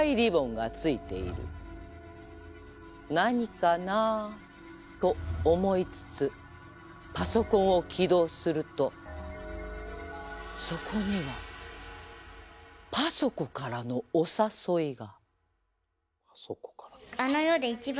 何かなと思いつつパソコンを起動するとそこにはパソ子からのお誘いが。